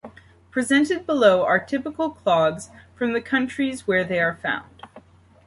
Presented below are typical clogs from the countries where they are found.